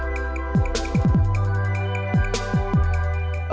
diantaranya adalah mencegah dehidrasi dengan minum air yang banyak tanpa menunggu haus